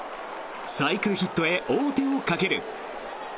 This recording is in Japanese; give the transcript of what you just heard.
サイクルヒットへ王手をかける。